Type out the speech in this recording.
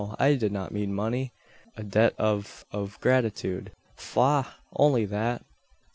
I did not mean money. A debt of of gratitude." "Faugh! only that.